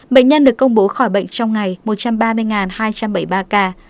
bệnh nhân được công bố khỏi bệnh trong ngày một trăm ba mươi hai trăm bảy mươi ba ca